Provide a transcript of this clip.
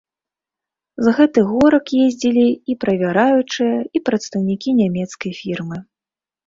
З гэтых горак ездзілі і правяраючыя, і прадстаўнікі нямецкай фірмы.